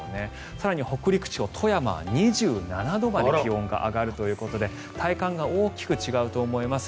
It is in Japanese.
更に北陸地方富山は２７度まで気温が上がるということで体感が大きく違うと思います。